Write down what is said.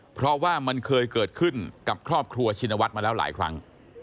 เพราะว่ามันเคยเกิดขึ้นกับครอบครัวชินวัฒน์มาแล้วหลายครั้ง